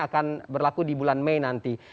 akan berlaku di bulan mei nanti